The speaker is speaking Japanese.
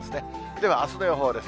ではあすの予報です。